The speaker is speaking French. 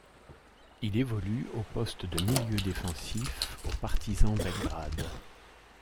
Il évolue au poste de milieu défensif au Partizan Belgrade.